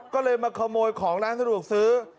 ก็เลยมาขโมยของร้านสะดวกซื้อ